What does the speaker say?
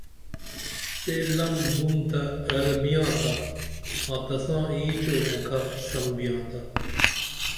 سے لم بُم تہ رل بیاں تا آں تساں اینچ او موکھہ سم بیاں تا